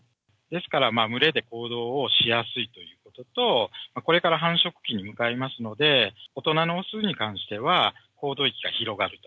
ですから、群れで行動をしやすいということと、これから繁殖期に向かいますので、大人の雄に関しては、行動域が広がる。